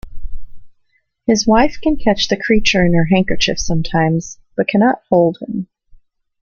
His wife can catch the creature in her handkerchief sometimes, but cannot hold him.